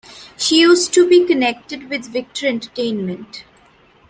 She used to be connected with Victor Entertainment.